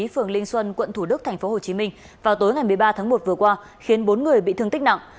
phường linh xuân quận thủ đức tp hcm vào tối ngày một mươi ba tháng một vừa qua khiến bốn người bị thương tích nặng